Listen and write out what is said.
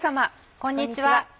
こんにちは。